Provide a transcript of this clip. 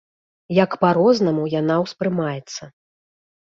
Як па-рознаму яна ўспрымаецца!